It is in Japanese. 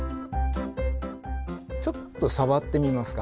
ちょっと触ってみますか？